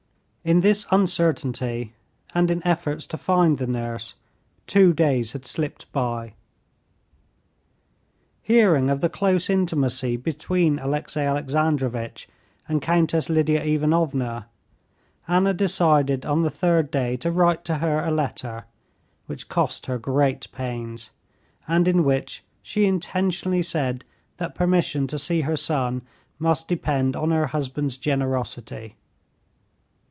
In this uncertainty, and in efforts to find the nurse, two days had slipped by. Hearing of the close intimacy between Alexey Alexandrovitch and Countess Lidia Ivanovna, Anna decided on the third day to write to her a letter, which cost her great pains, and in which she intentionally said that permission to see her son must depend on her husband's generosity.